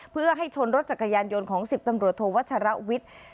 เพื่อให้ชนรถจักรยานยนต์ของ๑๐ตำรวจโทวัชรวิทย์